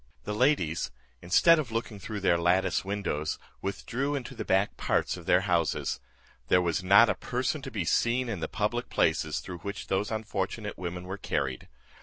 The ladies, instead of looking through their lattice windows, withdrew into the back parts of their houses. There was not a person to be seen in the public places through which those unfortunate women were carried.